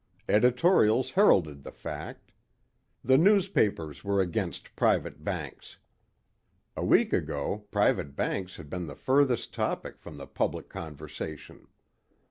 Editorials heralded the fact. The newspapers were against private banks. A week ago private banks had been the furthest topic from the public conversation.